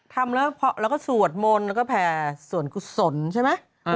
ทำแล้วก็สวดมนต์แล้วก็แผ่ส่วนกุศลใช่ไหม